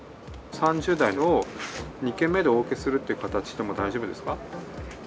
３０代の方を２件目でお受けするっていう形でも大丈夫ですか。